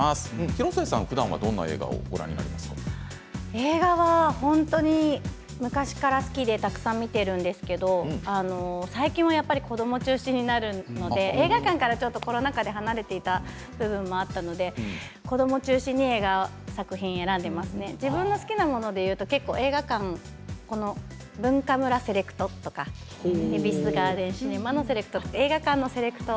広末さん、ふだんはどんな映画を映画は本当に昔から好きでたくさん見ているんですけど最近はやっぱり子ども中心になるので、映画館からちょっとコロナ禍で離れていた部分もあるので子ども中心に映画作品を選んでますね、自分の好きなものでいうと結構、映画館Ｂｕｎｋａｍｕｒａセレクトとか恵比寿ガーデンシネマのセレクトとか映画館のセレクト。